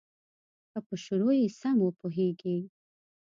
که په شروع یې سم وپوهیږې.